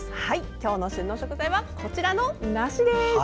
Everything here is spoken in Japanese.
今日の旬の食材はこちらの梨です。